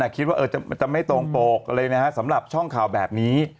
คิดว่าจะไม่ตรงปกอะไรนะฮะสำหรับช่องข่าวแบบนี้